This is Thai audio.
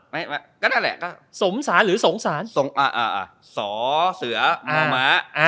ไม่ไม่ก็ได้แหละก็สมสารหรือสงสารสงอ่าอ่าอ่าสอเสืออ่ามะอ่า